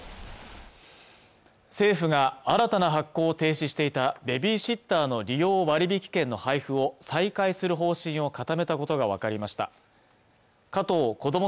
政府が新たな発行を停止していたベビーシッターの利用割引券の配布を再開する方針を固めたことが分かりました加藤こども